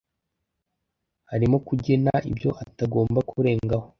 harimo kugena ibyo atagomba kurengaho